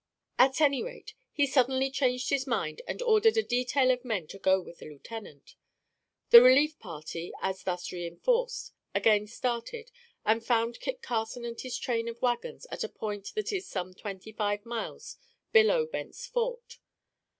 At any rate, he suddenly changed his mind, and ordered a detail of men to go with the lieutenant. The relief party, as thus reinforced, again started, and found Kit Carson and his train of wagons at a point that is some twenty five miles below Bent's Fort.